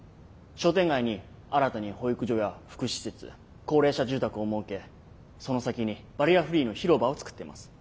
商店街に新たに保育所や福祉施設高齢者住宅を設けその先にバリアフリーの広場を作っています。